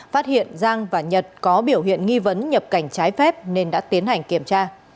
phát hiện giang và nhật có biểu hiện nghi vấn nhập cảnh trái phép nên đã tiến hành kiểm tra